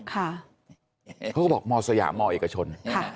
เขาก็บอกชาวมสะยำมเอกชน